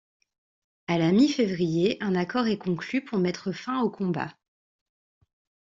À la mi-février, un accord est conclu pour mettre fin aux combats.